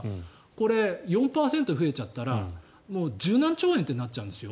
これ４％増えちゃったらもう１０何兆円ってなっちゃうんです。